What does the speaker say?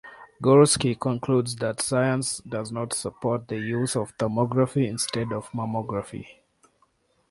Gorski concludes that science does not support the use of thermography instead of mammography.